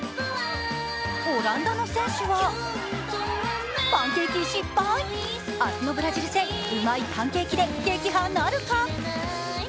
オランダの選手はパンケーキ失敗、明日のブラジル戦うまいパンケーキで撃破なるか。